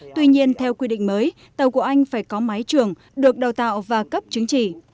tuy nhiên theo quy định mới tàu của anh phải có máy trưởng được đào tạo và cấp chứng chỉ